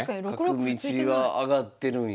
角道は上がってるんや。